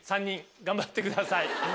３人頑張ってください。